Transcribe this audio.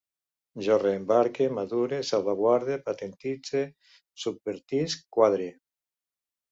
Jo reembarque, madure, salvaguarde, patentitze, subvertisc, quadre